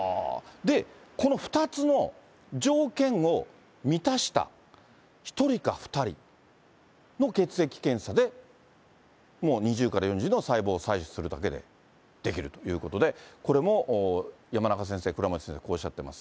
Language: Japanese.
で、この２つの条件を満たした１人か２人の血液検査で、もう２０から４０の細胞採取するだけで出来るということで、これも山中先生、倉持先生、こうおっしゃってます。